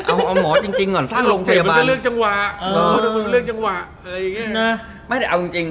เอาจริงผมว่า๓กลองเชียร์เลยนะ